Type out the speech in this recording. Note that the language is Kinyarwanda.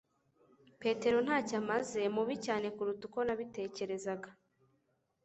Petero ntacyo amaze, mubi cyane kuruta uko nabitekerezaga